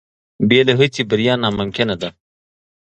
بې له هڅې بریا ناممکنه ده.